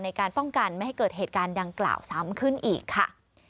ในการป้องกันไม่ให้เกิดเหตุการณ์ดังกล่าวซ้ำขึ้นอีกค่ะ